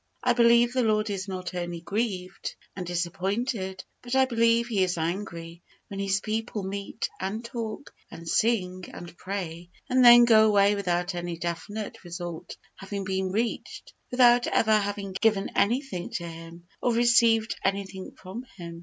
I believe the Lord is not only grieved and disappointed, but I believe He is angry, when His people meet, and talk, and sing, and pray, and then go away without any definite result having been reached without ever having given anything to Him, or received anything from Him.